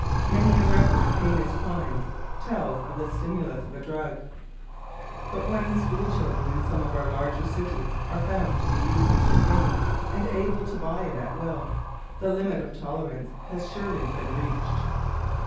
Many a record of heinous crime tells of the stimulus of a drug. But when the school children in some of our larger cities are found to be using cocaine, and able to buy it at will, the limit of tolerance has surely been reached.